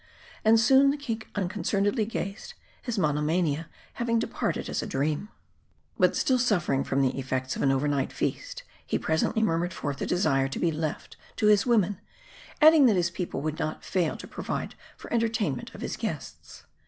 And soon the king unconcernedly gazed ; his monomania having departed as a dream. But still suffering from the effects of an overnight feast, he presently murmured forth a desire to be left to his wom en ; adding that his people would not fail to provide for the entertainment of his guests.